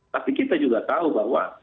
tapi kita juga tahu bahwa